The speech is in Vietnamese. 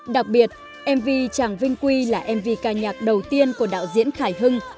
đặc biệt mv chàng vinh quy là mv ca nhạc đầu tiên của đạo diễn khải hưng